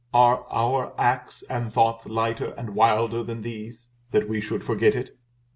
Are our acts and thoughts lighter and wilder than these that we should forget it?